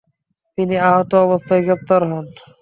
তিনি আহত অবস্থায় প্রেপ্তার হন।